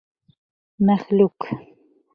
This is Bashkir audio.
Мәхлүк!